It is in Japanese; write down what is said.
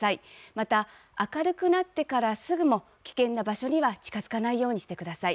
また、明るくなってからすぐも、危険な場所には近づかないようにしてください。